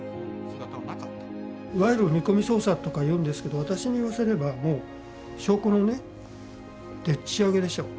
いわゆる見込み捜査とかいうんですけど私に言わせればもう証拠のでっちあげでしょう。